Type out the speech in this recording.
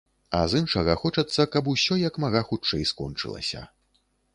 А з іншага, хочацца, каб усё як мага хутчэй скончылася.